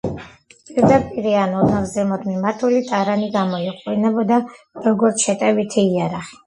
პირდაპირი ან ოდნავ ზემოთ მიმართული ტარანი გამოიყენებოდა, როგორც შეტევითი იარაღი.